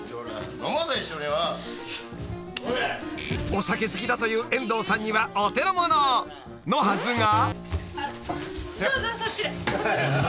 ［お酒好きだという遠藤さんにはお手のもののはずが］